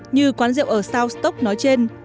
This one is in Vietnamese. như quán rượu ở south stock nói trên